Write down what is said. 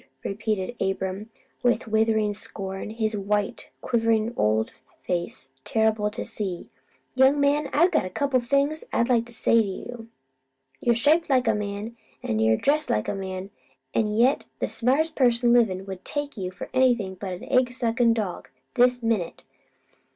repeated Abram, with withering scorn, his white, quivering old face terrible to see. "Young man, I got a couple o' things to say to you. You'r' shaped like a man, an' you'r' dressed like a man, an' yet the smartest person livin' would never take you for anything but an egg suckin' dog, this minute.